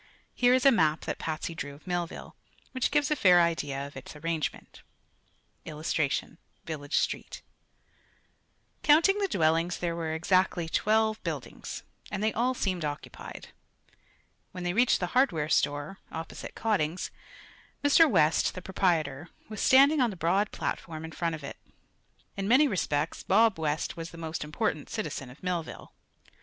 Here is a map that Patsy drew of Millville, which gives a fair idea of its arrangement: [Illustration: Village Street] Counting the dwellings there were exactly twelve buildings, and they all seemed occupied. When they reached the hardware store, opposite Cotting's, Mr. West, the proprietor, was standing on the broad platform in front of it. In many respects Bob West was the most important citizen of Millville.